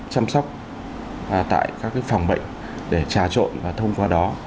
chăm sóc tại các phòng bệnh để trà trộn và thông qua đó